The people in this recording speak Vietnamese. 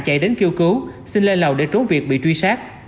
chạy đến kêu cứu xin lên lầu để trốn việc bị truy sát